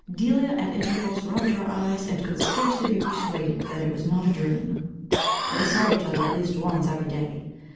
Delia, at intervals, rubbed her eyes, and could scarcely be persuaded that it was not a dream. They saw each other at least once every day.